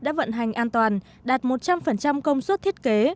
đã vận hành an toàn đạt một trăm linh công suất thiết kế